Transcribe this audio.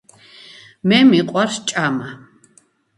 მე მიყვარს ჭამა